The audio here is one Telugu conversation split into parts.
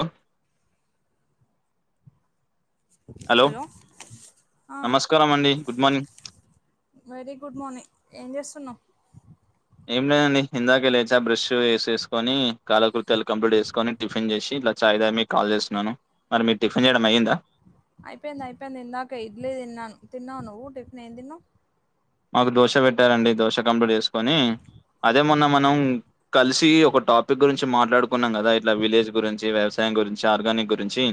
హలో హలో ఆ నమస్కారం అండి good morning very good morning ఏం చేస్తున్నావు్ ఏం లేదండి ఇందాకే లేచా బ్రష్ వేసేసుకొని కాలకృత్యాలు కంప్లీట్ వేసుకొని టిఫిన్ చేసి చాయ్ తాగి మీకు కాల్ చేస్తున్నాను మరి మీరు టిఫిన్ చేయడం అయ్యిందా అయిపోయింది అయిపోయింది ఇందాక ఇడ్లీ తిన్నాను తిన్నావ నువ్ టిఫిన్ ఏం తిన్నవ్ మాకు దోశ పెట్టారండి దోశ కంప్ట్ చేసుకుొని అదే మొన్న మనం కలిసి ఒక టాపిక్ గురించి మాట్లాడు కున్నాం కదా ఇట్లా విలేజ్ గురించి వ్యవసాయం గురించి ఆర్గానిక్ గురించి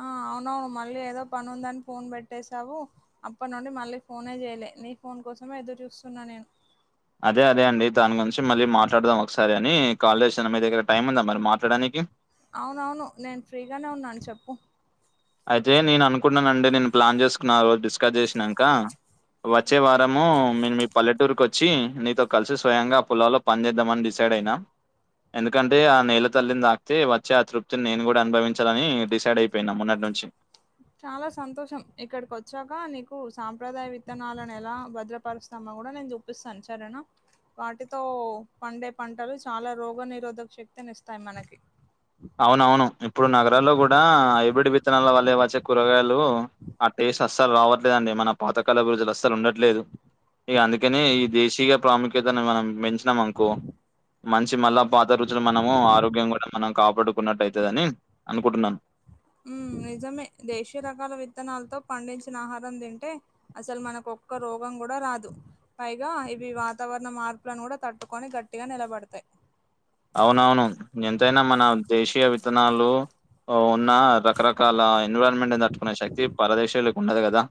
ఆ అవునవును మళ్ళీ ఏదో పని ఉందని ఫోన్ పెట్టేసావు అప్పటి నుండి మళ్ళీ ఫోనే చేయలే నీ ఫోన్ ని కోసమే ఎదురు చూస్తున్నా నేను అదే అదే అండి దాని గురించి మళ్ళీ మాట్లాడదాం ఒకసారి అని కాల్ చేసాను మీ దగ్గర టైం ఉందా మరి మాట్లాడానికి అవునవును నేను ఫ్రీగానే ఉన్నాను చెప్పు అయితే నేను అనుకునండి నేను ప్లాన్ చేసుకున్నా ఆ రోజు డిస్కస్ చేసినాక వచ్చే వారము నేన్ మీ పల్లెటూరుకి వచ్చి నీతో కలిసి స్వయంగా ఆ పోలాలో పని చేేద్దామని డిసైడ్ ఎక్కడైనా ఎందుకంటే ఆ నేళ్ల తల్లిని తాక్తే వచ్చి ఆ తృప్తిని నేను కూడా అనుభవించాలని డిసైడ్ అయిపోయినా మొన్నటి చె చాలా సంతోషం ఇక్కడికి వచ్చాక నీకు సాంప్రదాయ విత్తనాలను ఎలా భద్రపరుస్తా కూడా నేను చూపిస్తాను సరేనా వాటితో పండే పంటలు చాలా రోగ నిరోధక శక్తిని ఇస్తాయి మనకి అవునవును ఇప్పుడు నగరాల్లో కూడా హైబ్రిడ్ విత్తనాల వాళ్ళ వచ్చ కూరగాయలు ఆ టేస్ట్ అస్సలు రావట్లేదండి మన పాతకాల అభిరుచులు అస్సలు ఉండట్లేదు ఇక అందుకని ఈ దేశీగా ప్రాముఖ్యతను మనం మ అనుకో మంచి మళ్ళా పాత రుచులు మనము ఆరోగ్యం కూడా మనకు కాపాడుకున్నట్టు అయితుదని అనుకుంటున్నాను ఉ నిజమే దేశీయ రకాల విత్తనాలతో పండించిన ఆహారం తింటే అసలు మనకు ఒక్క రోగం కూడా రాదు పైగా ఇవి వాతావరణ మార్పులను కూడా తట్టుకొని గట్టిగా నిలబడతాయి అవునవును ఎంతైనా మన దేశీయ విత్తనాలు ఉన్న రకరకాల ఎన్విరాన్మెంట్ దట్టుుకునే శక్తి పరదేశాలకి ఉండదు కదా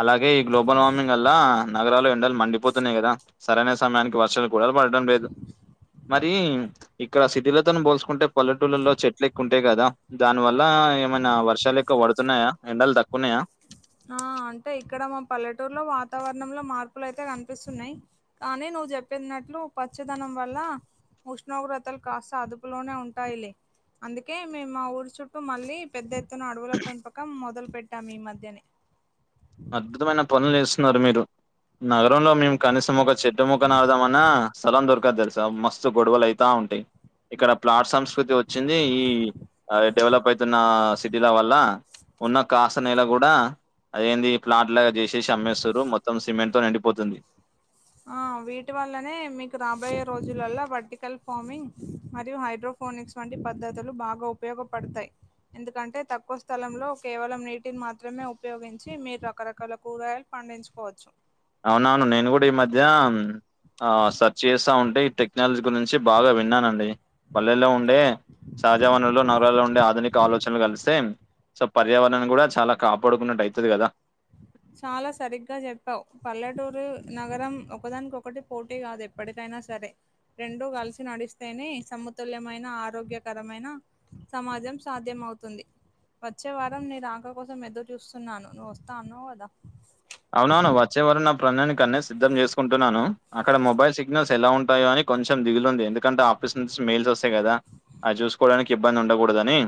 అలాగే ఈ గ్లోబల్ వార్మింగ్ వల్ల నగరాలు ఎండలు మండిపోతున్నాయి కదా సరైన సమయానికి వర్షాలు కూ పడతయి లేదు మరి ఇక్కడ సిటీళ్లతోను పోల్సుకుంటే పల్లెటూళ్లలో చెట్లు ఎక్కు ఉంటాయి కదా దాని వల్ల ఏమైనా వర్షాలు ఎక్కువ పడుతున్నాయా ఎండలు తక్కున్నాయా ఆ అంటే ఇక్కడ మా పల్లెటూరులో వాతావరణంలో మార్పులు అయితే కనిపిస్తున్నాయి కానీ నువ్ నువ్ చెప్పినట్లు పచ్చదనం వల్ల ఉష్ణోగ్రతలు కాస్త అదుపులోనే ఉంటాయిలే అందుకే మేము మా ఊరి చుట్టూ మళ్ళీ పెద్ద ఎత్తున అడవుల పెంపకం మొదలు పెట్టాం ఈ మధ్యనే అద్భుతమైన పనులు చేస్తున్నారు మీరు నగరంలో మేము కనీసం ఒక చెట్టు మొక్క నాటదామన స్థలం దొరకదు తెలుసా మస్తు గొడవలు అతాం ఉంటాయి ఇక్కడ ప్లాట్ఫామ్స్ ప్రకృతి వచ్చింది ఈ ఆ డెవలప్ అవుతున్న సిటీల వల్ల ఉన్న కాస్త నెలా కూడా ఏంది ప్లాంట్ లాగా చేససి ఆమ్మేశ్వరు మొత్తం సిమెంట్ తో నిండిపోతుంది ఆ వీటి వల్లనే మీకు రాబోయే రోజులలా వర్టికల్ ఫార్మింగ్ మరియు హైడ్రో ఫోనిక్స్ వంటి పద్ధతులు బాగా ఉపయోగపడతాయి ఎందుకంటే తక్కువ స్థలంలో కేవలం విటిని మాత్రమే ఉపయోగించి మీరు రకరకాల కూరగాయలు పండించుకోవచ్చు అవునవును నేను కూడా ఈ మధ్య ఆ సెర్చ్ చేస్తా ఉంటే ఈ టెక్నాలజీ గురించి బాగా విన్నానండి పల్లెల్లో ఉండే సహజా వనరుల్లో నగరాల్లో ఉండే ఆధునిక ఆలోచనలు కలిస్తే సో పర్యావరణ కూడా చాలా కాపాడుకున్నట్టు అవుతుది కదా చాలా సరిగ్గా చెప్పావు పల్లెటూరు నగరం ఒకదానికొకటి పోటీ కాదు ఎప్పటికైనా సరే రెండో కలిసి నడిస్తేనే సమతుల్యమైన ఆరోగ్యకరమైన సమాజం సాధ్యం అవుతుంది వచ్చే వారం నీ రాక కోసం ఎదురు చూస్తున్నాను నువ్వు వస్తా అనో అవునవును వాచ్చేవారం ప్రణని కన్న సిద్ధం చేసుకుంటున్నాను అక్కడ మొబైల్ సిగ్నల్స్ ఎలా ఉంటాయో అని కొంచెం దిగులుంది ఎందుకంటే ఆఫిస్ నుంచి మెయిల్స్ వస్తాయి కదా అవి చూసుకోవడానికి ఇబ్బంది ఉండకూడదని,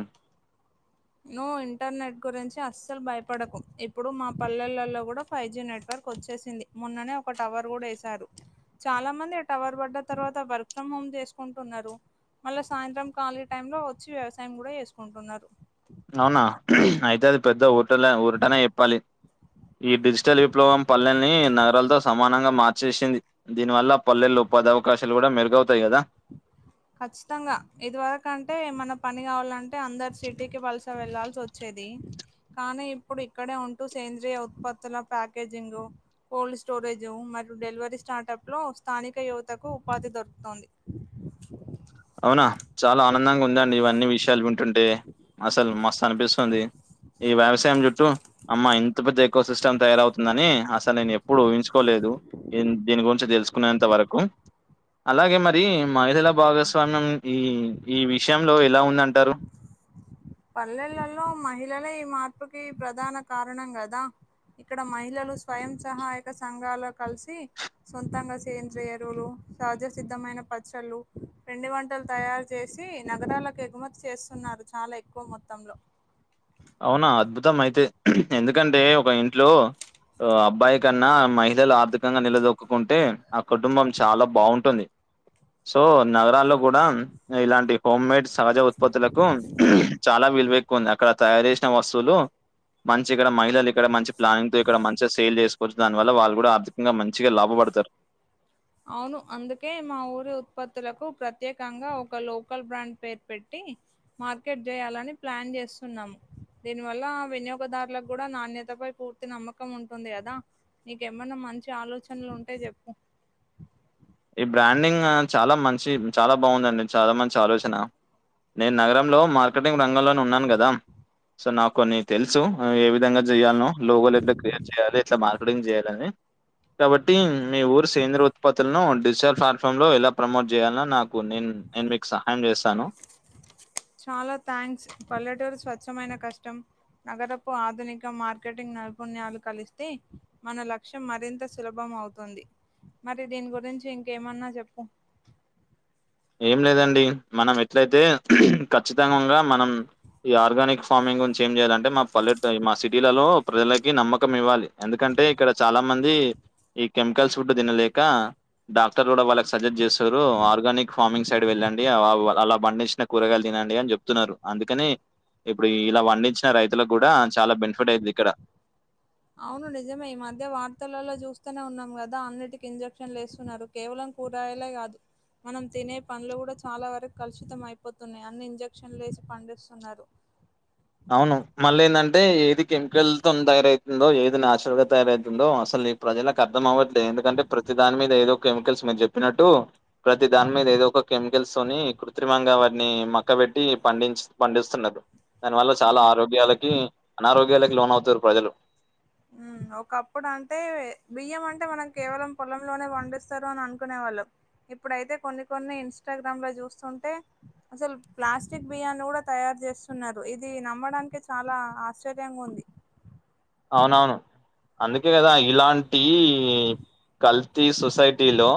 నువ్వు ఇంటర్నెట్ గురించి అస్సలు భయపడకు ఇప్పుడు మా పల్లెలలో కూడా ఫైవ్ జీ నెట్వర్క్ వచ్చేసింది మొన్ననే ఒక టవర్ కూడా వేశారు చాలా మంది ఆ టవర్ పడ్డ తర్వాత వర్క్ ఫ్రమ్ హోమ్ చేసుకుంటున్నారు మళ్ళా సాయంత్రం ఖాళీ టైమ్ లో వచ్చి వ్యవసాయం కూడా చేసుకుంటున్నారు అవునా అయితే అది పెద్ద ఊటల ఊరటనే చెప్పాలి ఈ డిజిటల్ విప్లవం పల్లెల్ని నగరాలతో సమానంగా మార్చేసింది దీనివల్ల పల్లెలు ఉపాధి అవకాశాలు కూడా మెరుగవుతాయి కదా కఖచ్చితంగా ఇదివరక అంటే ఏమన్నా పని కావాలంటే అందరు సిటీకి వలస వెళ్లాల్సి వచ్చేది కానీ ఇప్పుడు ఇక్కడే ఉంటూ సేంద్రియ ఉత్పత్తుల ప్యాకేజింగ్ కోల్డ్ స్టోర్ స్టోరేజ్ మరియు డెలివరీ స్టార్టప్లో స్థానిక యువతకు ఉపాధి దొరుకుతుంది [unintelligible] అవునా చాలా ఆనందంగా ఉందండి ఇవన్నీ విషయాలు వింటుంటే అసలు మస్తు అనిపిస్తుంది ఈ వ్యవసాయం చుట్టూ అమ్మ ఇంత పెద్ద ఎకో సిస్టమ్ తయారవుతుందని అసలు నేను ఎప్పుడు ఊహించుకోలేదు దీని గురించి తెలుసుకునేంత వరకు అలాగే మరి మహిళల బాగ స్వామ్యం ఈ ఈ విషయంలో ఎలా ఉందంటారు పల్లెలలో మహిళలే ఈ మార్పుకి ప్రధాన కారణం కదా ఇక్కడ మహిళలు స్వయం సహాయక సంఘలో కలిసి సొంతం గా సేంద్రియ ఎరువులు సహజసిద్ధమైన పచ్చళ్ళు పిండి వంటలు తయారు చేసి నగరాలకు ఎగుమతి చేస్తున్నారు చాలా ఎక్కువ మొత్తంలో అవునా అద్భుతం అయితే ఎందుకంటే ఒక ఇంట్లో అబ్బాయి కన్నా మహిళలు అథికంగా నిలదొక్కుకుంటే ఆ కుటుంబం చాలా బాగుంటుంది సో నగరాల్లో కూడా ఇలాంటి హోమ్ మేడ్ సహజ ఉత్పత్తులకు చాలా విలువ ఎక్కువ ఉంది అక్కడ తయారు చేసిన వస్తువులు మంచి ఇక్కడ మహిళలు ఇక్కడ మంచి ప్లానింగ్ తో ఇక్కడ మంచిగా సేల్ చేసుకు వచ్చు దాని వల్ల వాళ్ళు కూడా ఆర్థికంగా మంచిగా లాభపడతారు అవును అందుకే మా ఊరి ఉత్పత్తులకు ప్రత్యేకంగా ఒక లోకల్ బ్రాండ్ పేరు పెట్టి మార్కెట్ చేయాలని ప్లాన్ చేస్తున్నాము దీని వల్ల వినియోగదారులకు కూడా నాణ్యతపై పూర్తి నమ్మకం ఉంటుంది కదా నీకేమన్నా మంచి ఆలోచనలు ఉంటే చెప్పు ఈ బ్రాండింగ్ చాలా మంచి చాలా బాగుందండి చాలా మంచి ఆలోచన నేను నగరంలో మార్కెటింగ్ రంగంలోనే ఉన్నాను గదా సో నాకు కొన్ని తెలుసు ఏ విధంగా చెయ్యాలను లోగల్ ఎట్లా క్రియేట్ చేయాలి ఎట్లా మార్కెటింగ్ చేయాలి కాబట్టి మీ ఊరు సేంద్రియ ఉత్పత్తులను డిజిటల్ ప్లాట్ఫామ్లో ఎలా ప్రమోట్ చేయాాలలో నాకు నేను నేను మీకు సహాయం చేస్తాను చాలా థ్యాంక్స్ పల్లెటూరి స్వచ్ఛమైన కష్టం నగరపు ఆధునిక మార్కెటింగ్ నైపుణ్యాలు కలిస్తే మన లక్ష్యం మరింత సులభం అవుతుంది మరి దీని గురించి ఇంకేమన్నా చెప్పు [unintelligible] ఏం లేదండి మనం ఎట్లయితే ఖచ్చితంగా మనం ఈ ఆర్గానిక్ ఫార్మింగ్ ఏం చేయాలంటే మా పల్లె మా సిటీలలో ప్రజలకి నమ్మకం ఇవ్వాలి ఎందుకంటే ఇక్కడ చాలా మంది ఈ కెమికల్స్ ఫుడ్ తినలేక డాక్టర్ కూడా వాళ్ళకి సజెస్ట్ చేశారు ఆర్గానిక్ ఫార్మింగ్ సైడ్ వెళ్ళండి అలా పండించిన కూరగాలు తినండి అని చెప్తున్నారు అందుకని ఇప్పుడు ఇడ పండించిన రైతులకు కూడా చాలా బెనిఫిట్ అయితది ఇక్కడ అవును నిజమే ఈ మధ్య వార్తలలో చూస్తూనే ఉన్నాం కదా అన్నింటికి ఇంజక్షన్లు వేస్తున్నారు కేవలం కూరగాయలే కాదు మనం తినే పండ్లు కూడా చాలా వరకు కలుషితం అయిపోతుంది అయిపోతున్నాయి అన్ని ఇంజక్షన్ వేసి పండిస్తున్నారు అవును మళ్ళీ ఏంటంటే ఏది కెమికల్ తో తయారవుతుందో ఏది నాచురల్ గా తయారవుతుందో అసలు ప్రజలకు అర్థం అవ్వట్లేదు ఎందుకంటే ప్రతి దాని మీద ఏదో కెమికల్స్ మీరు చెప్పినట్టు ప్రతి దాని మీద ఏదో ఒక కెమికల్స్ కృత్రిమంగా వాటిని మక్క పెట్టి పండించి పండిస్తున్నారు దాని వల్ల చాలా ఉమ్. ఆరోగ్యాలకి అనారోగ్యాలకి లోన్ అవుతారు ప్రజలు ఉమ్ ఒకప్పుడు అంటే బియ్యం అంటే మనం కేవలం పొలంలోనే పండిస్తారు అని అనుకునే వాళ్ళం ఇప్పుడైతే కొన్ని కొన్ని ఇన్స్టాగ్రామ్ లో చూస్తుంటే అసలు ప్లాస్టిక్ బియ్యాన్ని కూడా తయారు చేస్తున్నారు ఇది నమ్మడానికి చాలా ఆశ్చర్యంగా ఉంది అవునవును అందుకే కదా ఇలాంటి కల్తీ సొసైటీ లో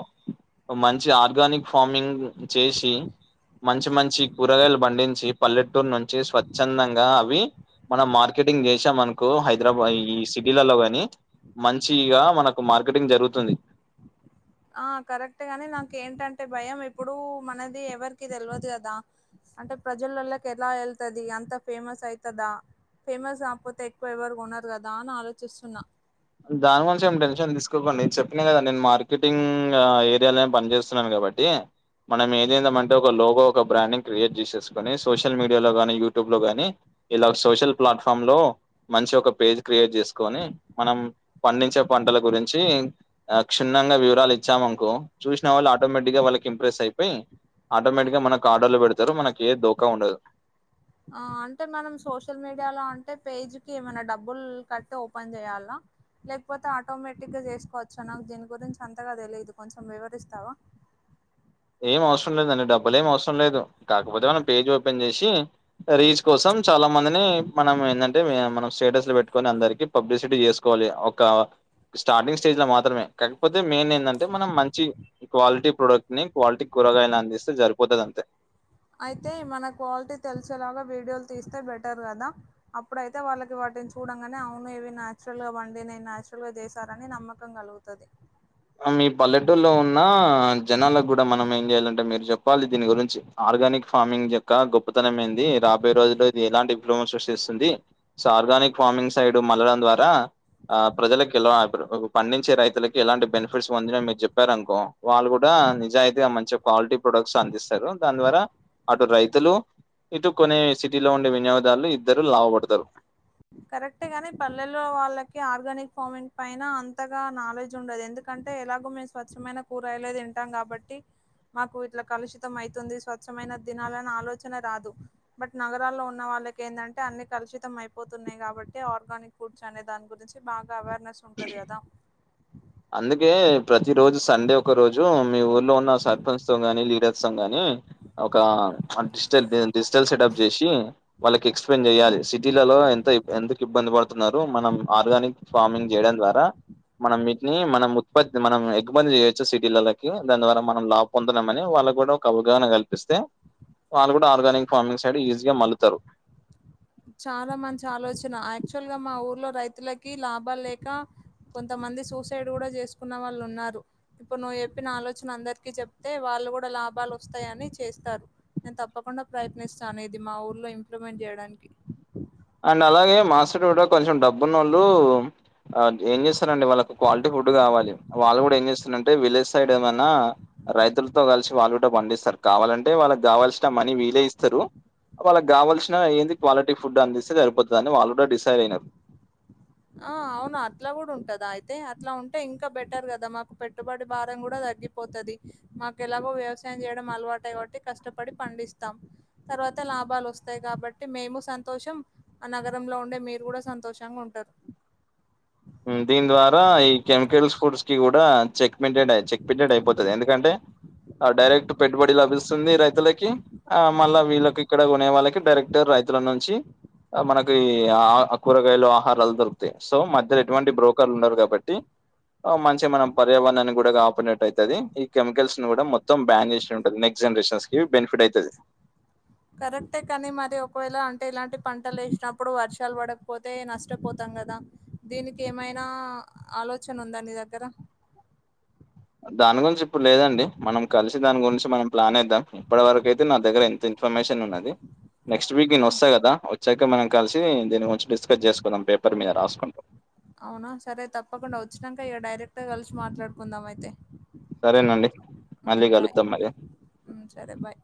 మంచి ఆర్గానిక్ ఫార్మింగ్ చేసి మంచి మంచి కూరగాయలు పండించి పల్లెటూరి నుంచి స్వచ్ఛందంగా అవి మనం మార్కెటింగ్ చేసాం అనుకో సాయంత్రం అయ్యి ఈ సిటీలలో గని మంచిగా మనకు మార్కెటింగ్ జరుగుతుంది ఆ కరెక్ట్ గాని నాకు ఏంటంటే భయం ఎప్పుడు మనది ఎవరికి తెలియదు కదా అంటే ప్రజలలకి ఎలా వెళ్తుది అంత ఫేమస్ అయితదా ఫేమస్ కాకపోతే ఎక్కువ ఎవరు కొన్నారు కదా అని ఆలోచిస్తున్నా దాని గురించి ఏం టెషన్ తీసుకోకండి చెప్పి చెప్పిన కథ నేను మార్కెటింగ్ ఏరియాలో పని చేస్తున్నాను కాబట్టి మనం ఏం చేద్దాం అంటే ఒక లోగో ఒక బ్రాండెడ్ క్రియేట్ చేసేసుకొని సోషల్ మీడియాలో గాని యూట్యూబ్ లో గాని ఇలా సోషల్ ప్లాట్ఫామ్ లో మంచి ఒక పేజ్ క్రియేట్ చేసుకొని మనం పండించే పంటల గురించి ఆ క్షుణ్ణంగా వివరాలు ఇచ్చామనుకో చూసిన వాళ్ళు ఆటోమేటిక్ గా వాళ్ళకి ఇంప్రెస్ అయిపోయి ఆటోమేటిక్ గా మనకు ఆర్డర్లు పెడతారు మనకి ఏ దోఖ ఉండదు ఆ అంటే మనం సోషల్ మీడియాలో అంటే పేజ్ ఏమైనా డబ్బుల్ కట్టి ఓపెన్ చేయాల లేకపోతే ఆటోమేటిక్ గా చేసుకోవచ్చా నాకు దీని గురించి అంతగా తెలియదు కొంచెం వివరిస్తావా [inaudible] ఏం అవసరం లేదండి డబ్బులు ఏం వచ్చి రీచ్ కోసం చాలా మందిని మనం ఏందంటే మనం స్టేటస్లు పెట్టుకొని అందరికీ పబ్లిక్ పబ్లిసిటీ చేసుకోవాలి ఒక స్టార్టింగ్ స్టేజ్ లో మాత్రమే కాకపోతే మెయిన్ ఎందంటే మనం మంచి క్వాలిటీ ప్రొడక్ట్ ని క్వాలిటీ కూరగాయలు అందిస్తే సరిపోతుంది అంతే అయితే మన క్వాలిటీ తెలిసేలాగా వీడియోలు తీస్తే బెటర్ కదా అప్పుడైతే వాళ్ళకి చూడంగానే అవును ఇవి న్యాచురల్ గా పండినై న్యాచురల్ గా చేశారని నమ్మకం కలుగుతుంది మీ పల్లెటూరులో ఉన్న జనాలకు కూడా మనం ఏం చేయాలంటే మీరు చెప్పాలి దీని గురించి ఆర్గానిక్ ఫార్మింగ్ యొక్క గొప్పతనం ఏంది రాబోయే రోజులో ఇది ఎలాంటి ప్రమోషన్ ఉంది సో ఆర్గానిక్ ఫార్మింగ్ సైడ్ మల్లడం ద్వారా ఆ ప్రజలకు ఎలా ఒక పండించే రైతులకి ఎలాంటి బెనిఫిట్ బెనిఫిట్స్ పొందినము మీరు చెప్పారునుకో వాళ్ళు కూడా నిజాయితీగా మంచి క్వాలిటీ ప్రొడక్ట్స్ అందిస్తారు దాని ద్వారా అటు రైతులు ఇటు కొనే సిటీలో ఉండే వినియోగదారులు ఇద్దరు లాభపడతారు కరెక్టే గాని పల్లెల్లో వాళ్ళకి ఆర్గానిక్ ఫార్మింగ్ పైన అంతగా నాలెడ్జ్ ఉండదు ఎందుకం అంటే ఎలాగూ మేము స్వచ్ఛమైన కూరయలే తింటాం కాబట్టి మాకు ఇట్ల కలుషితం ఐతుంది స్వచ్ఛమైన దినాలన్న ఆలోచన రాదు బట్ నగరాల్లో ఉన్న వ వాళ్ళకి ఏందంటే అన్ని కలుషిం అయి పోతున్నాయి కాబట్టి ఆర్గానిక్ ఫుడ్స్ అనే దాని గురించి బాగా అవేర్నెస్ ఉంటది కదా అందుకే ప్రతి రోజు సండే ఒక రోజు మీ ఊర్లో ఉన్న సర్పంచ్ తో గాని లీడర్ తోన్ గాని ఒక ఆ డిజిటల్ డిజిటల్ సెటప్ చేసి వాళ్ళకి ఎక్స్ప్లెయిన్ చేయాలి సిటీల లో ఎంత ఎందుకు ఇబ్బంది పడుతున్నారు మనం ఆర్గానిక్ ఫార్మింగ్ చేయడం ద్వారా మనం మీ నీ మనం ఉత్పత్తి మనం ఎగ్బతి చేయొచ్చు సిటీలకి దాని ద్వార మనం లా పొందన్నామని వాళ్ళ కూడా ఒక అవ గాన కల్పిస్తే వాళ్ళు కూడా ఆర్గానిక్ ఫార్మింగ్ సైడ్ ఈజీగా మల్లుతారు చాలా మంచి ఆలోచన యాక్చువల్ గా మా ఊర్లో రైతులకి లాభాలు లేక కొంతమంది సూసైడ్ కూడా చేసుకున్న వాళ్ళు ఉన్నారు ఇప్పుడు నువ్వు చెప్పిన ఆలోచన అందరికి చెప్తే వా వాళ్ళు కూడా లాభాలు వస్తాయని చేస్తారు నేను తప్పకుండా ప్రయత్నిస్తాను ఇది మా ఊర్లో ఇంప్లిమెంట్ చేయడానికి అండ్ అలాగే మాసైడ్ కూడా కొంచెం డబ్బు నోళ్ళు ఆ ఏం చేస్తారండి వాళ్ళకు క్వాలిటీ ఫుడ్ కావాలి వాళ్ళు కూడా ఏం చేస్తురంటే విలేజ్ సైడ్ ఏమైనా రైతులతో కలిసి వాళ్ళు కూడా పండిస్తారు కావాలంటే వాళ్ళకి కావల్సిన మనీ వీలే ఇస్తారు వాళ్ళకి కావల్సిన ఏంది క్వాలిటీ ఫుడ్ అందిస్ సరిపోతదని వాళ్ళు కూడా డిసైడ్ అయినారు ఆ అవునా అట్లా కూడా ఉంటదా అయితే అట్లా ఉంటే ఇంకా బెటర్ కదా మాకు పెట్టుబడి భారం కూడా స తగ్గిపోతది మాకు ఎలాగో వ్యవసాయం చేయడం అలవాటే కాబట్టి కష్టపడి పండిస్తాం తర్వాత కొంత లాభాలు వస్తాయి కాబట్టి మేము సంతోషం ఆ నగరంలో ఉండే మీరు కూడా సంతోషంగా ఉంటరు ఉ దీని ద్వారా ఈ కెమికల్స్ ఫుడ్స్ కి కూడా చెక్ పింటెడ్ చెక్ పింటెడ్ అయిపోతది ఎందుకంటే అ డైరెక్ట్ పెట్టుబడి లభిస్తుంది రైతులకి ఆ మళ్ళా వీళ్ళకి ఇక్కడ కొనే వాళ్ళకి డైరెక్ట్ ర రైతుల నుంచి మనకి ఆ కూరగాయలు ఆహారాలు దొరుకుతాయి సో మధ్య లెట్ ఎటువంటి బ్రోకర్ లు ఉండరు కాబట్టి ఆ మంచిగ మనం పర్యావరణాన్ని కూడా కాపాడినటయితది ఈ కెమికల్స్ ను కూడా మొత్తం బ్యాన్ చేసుడే ఉంటది నెక్స్ట్ జనరేషన్స్ కి ఇది బెనిఫిట్ ఐతది కరెక్టే కానీ మరి ఒకవేళ అంటే ఇలాంటి పంటలు వేసినప్పుడు వర్షాలు పడకపోతే నష్టపోతాం కదా దీనికి ఏమైనా ఆలోచన ఉందా నీ దగ్గర [unintelligible] దాని గురించి ఇప్పుడు లేదండి మనం కలిసి దాని గురించి మనం ప్లాన్ ఏద్దాం ఇప్పటివరకు అయితే నా దగ్గర ఇంత ఇన్ఫర్మేషన్ వున్నది నెక్స్ట్ వీక్ ఆ, నేను వస్తా కదా వచ్చాక మనం కలిసి దీని గురించి డిస్కస్ చేసుకుందాం పేపర్ మీద రాసుకుంటు అవునా సరే తప్పకుండా వచ్చినాక ఇక డైరెక్ట్ గా కలిసి మాట్లాడుకుందాం అయితే సరేనండి మళ్ళీ బాయ్ కలుద్దాం మరి సరే బాయ్